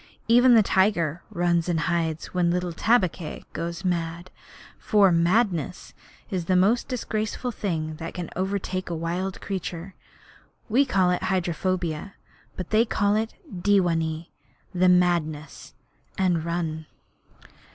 Even the tiger runs and hides when little Tabaqui goes mad, for madness is the most disgraceful thing that can overtake a wild creature. We call it hydrophobia, but they call it dewanee the madness and run.